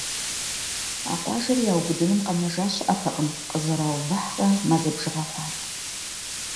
А къуажэри яубыдыным къэнэжа щыӀэтэкъым – къызэраувыхьрэ мазэ бжыгъэ хъуат.